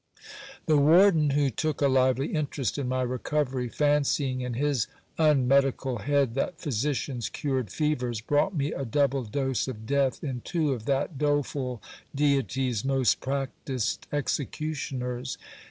The warden, who took a lively interest in my recovery, fancying in his unmedical head that physicians cured fevers, brought me a double dose of death in two of that doleful deity's most practised executioners.